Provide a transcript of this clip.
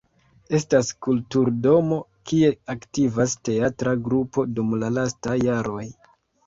Estas kulturdomo kie aktivas teatra grupo dum la lastaj jaroj.